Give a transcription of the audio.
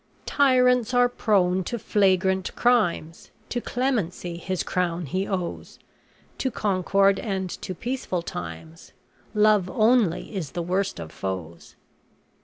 TYRANTS ARE PRONE TO FLAGRANT CRIMES. TO CLEMENCY HIS CROWN HE OWES. TO CONCORD AND TO PEACEFUL TIMES. LOVE ONLY IS THE WORST OF FOES.